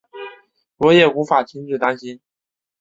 我也无法停止担心